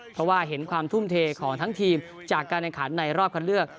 เพราะว่าเห็นความทุ่มเทของทั้งทีมจากการแข่งขันในรอบคันเลือก